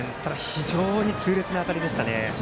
非常に痛烈な当たりでしたね。